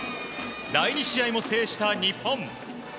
第２試合も制した日本。